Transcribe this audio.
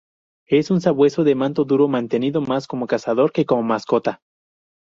Es un sabueso de manto duro mantenido más como cazador que como mascota.